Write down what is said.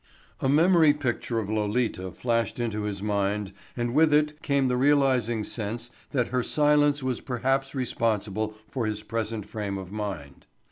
A memory picture of Lolita flashed into his mind and with it came the realizing sense that her silence was perhaps responsible for his present frame of mind.